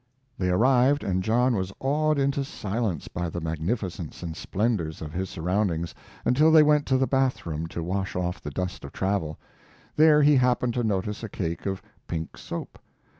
They arrived, and John was awed into silence by the magnificence and splendors of his surroundings until they went to the bath room to wash off the dust of travel. There he happened to notice a cake of pink soap.